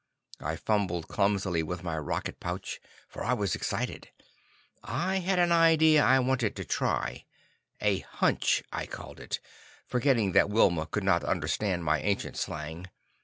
I fumbled clumsily with my rocket pouch, for I was excited. I had an idea I wanted to try; a "hunch" I called it, forgetting that Wilma could not understand my ancient slang.